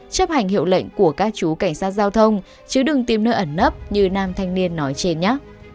chấp hành hiệu lệnh của các chú cảnh sát giao thông chứa đừng tìm nơi ẩn nấp như nam thanh niên nói trên nhé